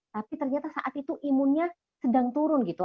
tapi ternyata saat itu imunnya sedang turun gitu